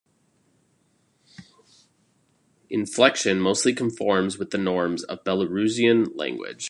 Inflection mostly conforms with the norms of Belarusian language.